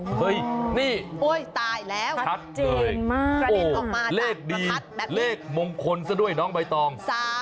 เฮ้ยนี่ชัดเจนมากโอ้เลขดีเลขมงคลซะด้วยน้องใบตอง